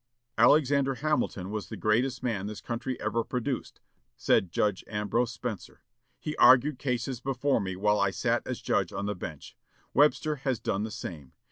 "Alexander Hamilton was the greatest man this country ever produced," said Judge Ambrose Spencer.... "He argued cases before me while I sat as judge on the bench. Webster has done the same.